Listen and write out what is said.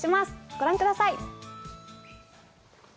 ご覧ください。